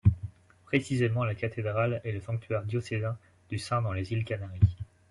Précisément la cathédrale est le sanctuaire diocésain du saint dans les îles Canaries.